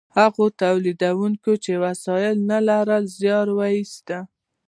هغو تولیدونکو چې وسایل نه لرل زیار ویسته.